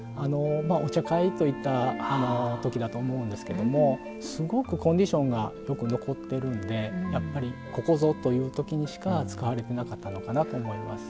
お茶会といった時だと思うんですけどもすごくコンディションがよく残ってるんでやっぱりここぞという時にしか使われてなかったのかなと思います。